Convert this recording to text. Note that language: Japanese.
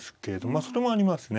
あそれもありますね。